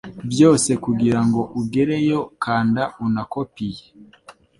byose kugirango ugereyo kanda unakopiye